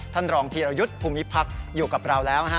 ท่านรองเทียระยุทธ์ภูมิพลักษณ์อยู่กับเราแล้ว